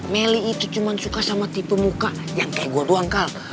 meli itu cuma suka sama tipe muka yang kayak gue doang kal